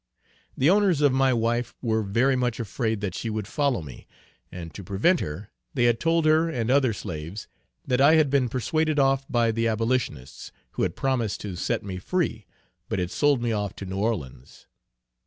The owners of my wife were very much afraid that she would follow me; and to prevent her they had told her and other slaves that I had been persuaded off by the Abolitionists, who had promised to set me free, but had sold me off to New Orleans.